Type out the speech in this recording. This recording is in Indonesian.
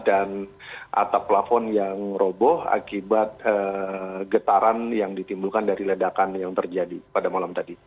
atap plafon yang roboh akibat getaran yang ditimbulkan dari ledakan yang terjadi pada malam tadi